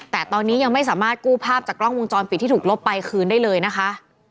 แต่ตอนนี้ยังไม่สามารถกู้ภาพจากกล้องวงจรปิดที่ถูกลบไปคืนได้เลยนะคะ